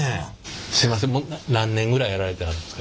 すいません何年ぐらいやられてはるんですか？